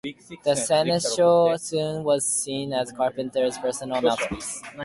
The "Sentinel" soon was seen as Carpenter's personal mouthpiece.